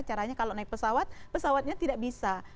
caranya kalau naik pesawat pesawatnya tidak bisa